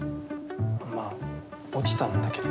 まあ落ちたんだけど。